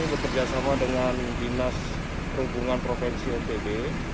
bekerjasama dengan dinas perhubungan provinsi ntb